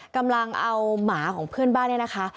กำลังเอาหมาของเพื่อนบ้านเนี่ยนะคะ